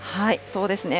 そうですね。